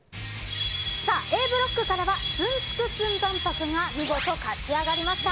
Ａブロックからはツンツクツン万博が見事勝ち上がりました。